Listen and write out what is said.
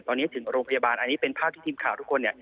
ตอนนี้ถึงโรงพยาบาลอันนี้เป็นภาพที่ทีมข่าวทุกคน